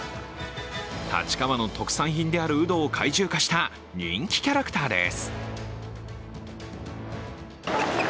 立川の特産品であるウドを怪獣化した人気キャラクターです。